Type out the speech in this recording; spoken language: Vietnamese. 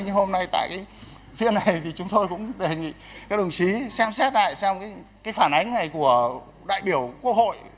nhưng hôm nay tại cái phiên này thì chúng tôi cũng đề nghị các đồng chí xem xét lại xem cái phản ánh này của đại biểu quốc hội